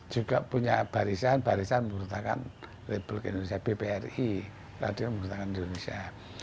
juga punya barisan barisan pemerintahkan republik indonesia bpri radio pemerintahkan republik indonesia